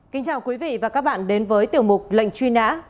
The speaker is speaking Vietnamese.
kính chào quý vị và các bạn đến với tiểu mục lệnh truy nã